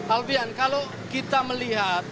albian kalau kita melihat